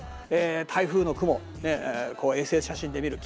台風の雲衛星写真で見る。